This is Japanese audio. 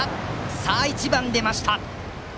さあ、１番が出ました。